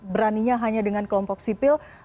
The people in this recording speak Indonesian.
beraninya hanya dengan kelompok sipil